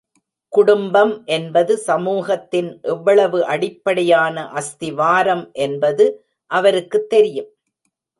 குடும்பம் என்பது சமூகத்தின் எவ்வளவு அடிப்படையான அஸ்திவாரம் என்பது அவருக்குத் தெரியும்.